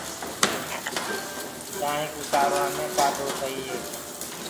چآنٚينٚ ڪوُ ڪآڙهوآ مينٚ ڪآڍو سئي هي۔